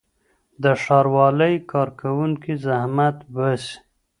د ښاروالۍ کارکوونکي زحمت باسي.